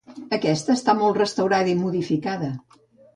Aquesta està molt restaurada i modificada.